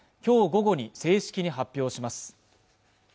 午後に正式に発表します